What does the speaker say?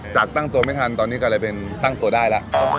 จากตั้งตัวไม่ทันตอนนี้ก็เลยเป็นตั้งตัวได้แล้ว